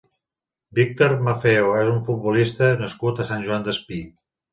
Víctor Maffeo és un futbolista nascut a Sant Joan Despí.